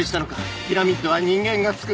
ピラミッドは人間がつくったのか？